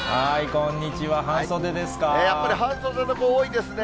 こんにちは、やっぱり半袖の子、多いですね。